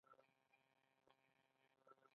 دوکاندار تل د خپل رب نه بخښنه غواړي.